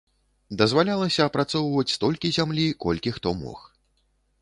Дазвалялася апрацоўваць столькі зямлі, колькі хто мог.